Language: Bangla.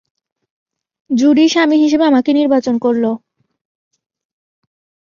জুডি স্বামী হিসেবে আমাকে নির্বাচন করল।